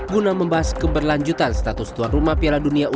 guna membahas keberlanjutan status tuan rumah piala dunia u dua puluh